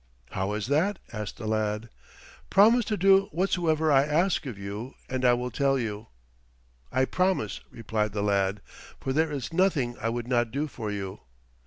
"How is that?" asked the lad. "Promise to do whatsoever I ask of you, and I will tell you." "I promise," replied the lad, "for there is nothing I would not do for you."